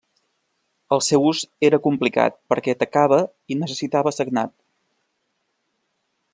El seu ús era complicat perquè tacava i necessitava sagnat.